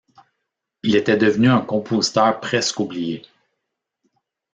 Il était devenu un compositeur presque oublié.